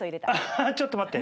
あっちょっと待って。